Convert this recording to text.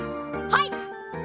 はい！